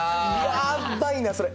やっばいなそれ！